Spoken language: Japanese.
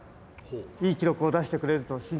いい記録を出してくれると信じてます。